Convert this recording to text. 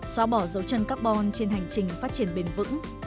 xóa bỏ dấu chân carbon trên hành trình phát triển bền vững